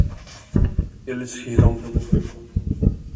Eles riram